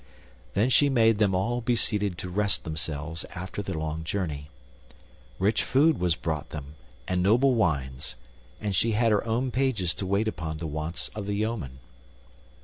Then she made them all be seated to rest themselves after their long journey. Rich food was brought them and noble wines, and she had her own pages to wait upon the wants of the yeomen.